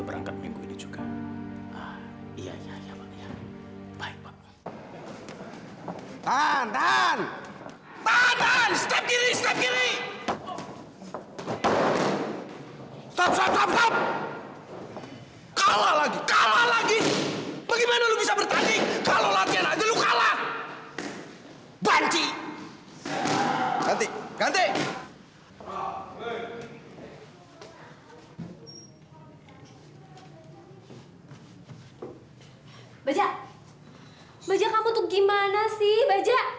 baja baja kamu tuh gimana sih baja